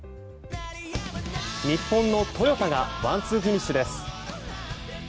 日本のトヨタがワンツーフィニッシュです。